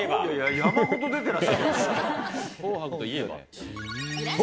山ほど出てらっしゃるでしょ。